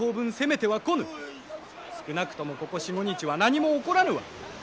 少なくともここ４５日は何も起こらぬわ。